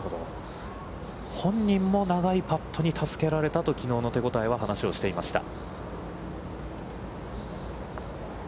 本人も長いパットに助けられたと、きのうの手応えを話していました。